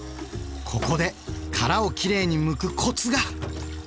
ここで殻をきれいにむくコツが！